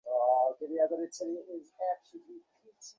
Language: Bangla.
আর যদি মারা যাও, তাহলে ওটা আমিই ব্যবহার করব।